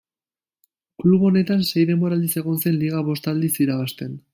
Klub honetan sei denboraldiz egon zen liga bost aldiz irabazten.